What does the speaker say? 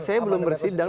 saya belum bersidang